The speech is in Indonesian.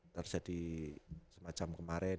terus jadi semacam kemarin